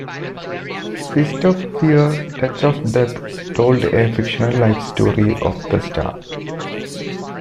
"Fist of Fear, Touch of Death" told a fictional life story of the star.